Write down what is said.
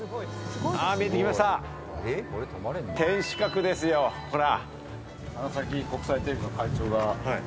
見えてきました、天守閣ですよ、ほら。